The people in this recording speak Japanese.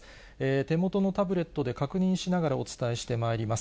手元のタブレットで確認しながらお伝えしてまいります。